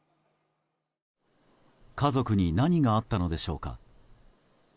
家族に何があったのでしょうか。